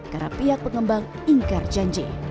karena pihak pengembang ingkar janji